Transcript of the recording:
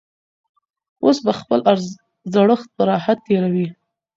اوس به خپل زړښت په راحت تېروي.